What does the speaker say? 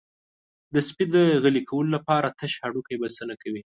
د سپي د غلي کولو لپاره تش هډوکی بسنه کوي.